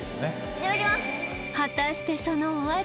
いただきます